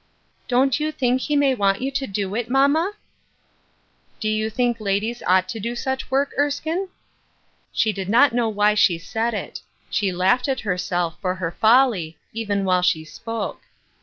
" Don't you think He may want you to do it, mamma ?"" Do you think ladies ought to do such work, Erskine ?" She did not know why she said it ; she laughed at herself for her folly even while she spoke.